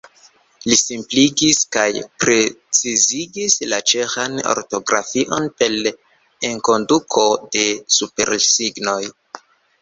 Li simpligis kaj precizigis la ĉeĥan ortografion per enkonduko de supersignoj.